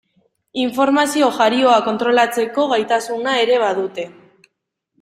Informazio jarioa kontrolatzeko gaitasuna ere badute.